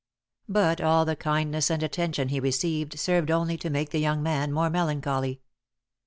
But all the kindness and attention he received served only to make the young man more melancholy.